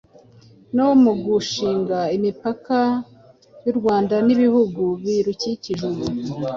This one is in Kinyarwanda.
no mu gushinga imipaka y'u Rwanda n'ibihugu birukikije ubu.